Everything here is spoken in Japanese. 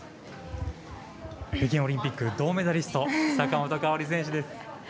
北京オリンピック銅メダリスト坂本花織選手です。